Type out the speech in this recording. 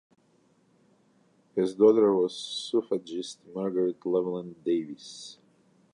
His daughter was suffragist Margaret Llewelyn Davies.